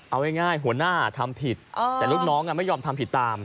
เอาง่ายหัวหน้าทำผิดแต่ลูกน้องไม่ยอมทำผิดตาม